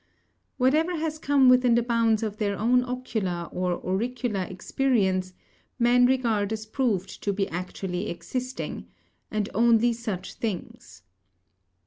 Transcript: Whatever has come within the bounds of their own ocular or auricular experience men regard as proved to be actually existing; and only such things.